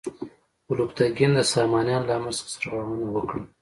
الپتکین د سامانیانو له امر څخه سرغړونه وکړه.